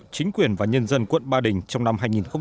chính quyền và nhân dân quận ba đình trong năm hai nghìn một mươi sáu